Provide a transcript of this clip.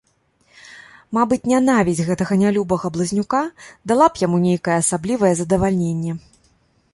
Мабыць, нянавісць гэтага нялюбага блазнюка дала б яму нейкае асаблівае задавальненне.